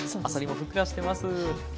あさりもふっくらしてます。